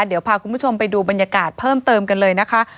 เดี๋ยวพาคุณผู้ชมไปดูบรรยากาศเพิ่มเติมกันเลยนะคะ